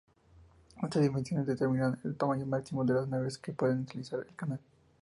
Estas dimensiones determinan el tamaño máximo de las naves que pueden utilizar el canal.